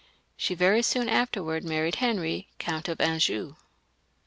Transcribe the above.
She very soon after married Henry, Count of Anjou.